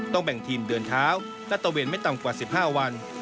แบ่งทีมเดินเท้าและตะเวนไม่ต่ำกว่า๑๕วัน